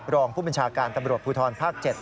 รองผู้บัญชาการตำรวจภูทรภาค๗